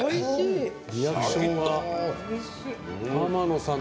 リアクションが。